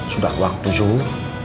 sudah waktu suhu